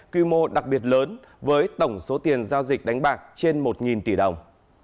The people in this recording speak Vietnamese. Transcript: quy mô đặc biệt lớn với tổng số tiền giao dịch đánh bạc trên một tỷ đồng